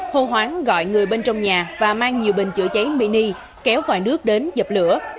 hồ hoán gọi người bên trong nhà và mang nhiều bình chữa cháy mini kéo vào nước đến dập lửa